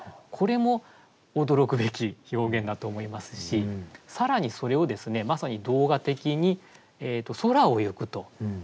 これも驚くべき表現だと思いますし更にそれをですねまさに動画的に「空をゆく」と。